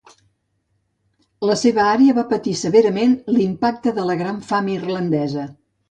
La seva àrea va patir severament l'impacte de la Gran Fam Irlandesa.